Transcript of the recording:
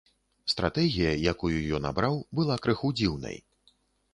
Стратэгія, якую ён абраў, была крыху дзіўнай.